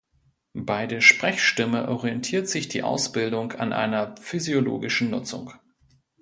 Bei der Sprechstimme orientiert sich die Ausbildung an einer physiologischen Nutzung.